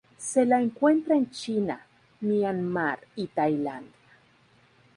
Se la encuentra en China, Myanmar y Tailandia.